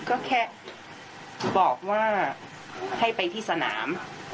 ก็แค่บอกว่าให้ไปที่สนาม